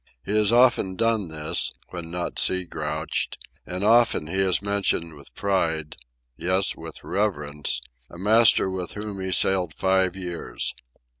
He has often done this, when not "sea grouched," and often he has mentioned with pride—yes, with reverence—a master with whom he sailed five years.